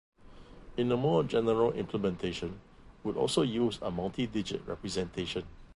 In a more general implementation, would also use a multi-digit representation.